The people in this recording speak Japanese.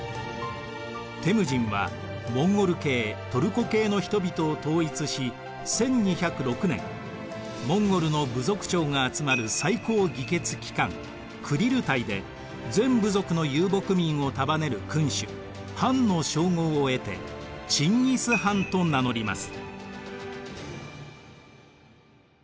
テムジンはモンゴル系トルコ系の人々を統一し１２０６年モンゴルの部族長が集まる最高議決機関クリルタイで全部族の遊牧民を束ねる君主ハンの称号を得てチンギス・ハンと名乗ります。